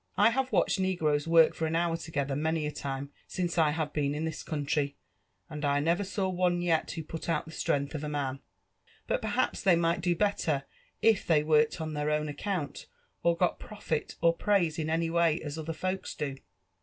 *' I have watched negroes work tor an heur togetheir, many a time, since I have been in this country, and I Dovor saw one yet who put out the stren^h of a man. But perhaps they might do better if they worked on Iheir own accoont, or 99I profit er praise in any way as other folks do."